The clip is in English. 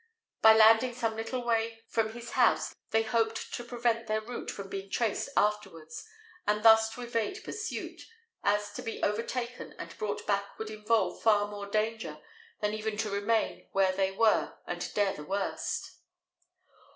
By landing some little way from his house, they hoped to prevent their route from being traced afterwards, and thus to evade pursuit, as to be overtaken and brought back would involve far more danger than even to remain where they were and dare the worst.